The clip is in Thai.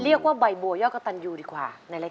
แล้วน้องใบบัวร้องได้หรือว่าร้องผิดครับ